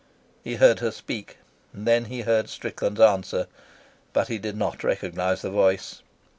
He heard her speak, and then he heard Strickland's answer, but he did not recognise the voice.